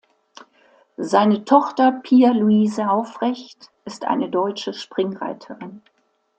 Seine Tochter Pia-Luise Aufrecht ist eine deutsche Springreiterin.